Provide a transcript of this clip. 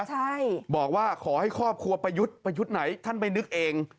ใช่บอกว่าขอให้ครอบครัวไปยุดไปยุดไหนท่านไปนึกเอง